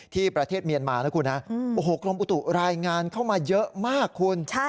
ประเทศเมียนมานะคุณนะโอ้โหกรมอุตุรายงานเข้ามาเยอะมากคุณ